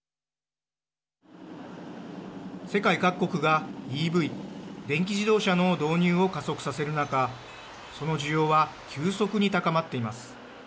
世界各国がＥＶ＝電気自動車の導入を加速させる中その需要は急速に高まっています。